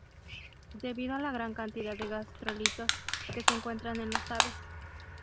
Debido a la gran cantidad de gastrolitos que se encuentran en las aves.